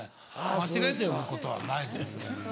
間違えて呼ぶことはないですね。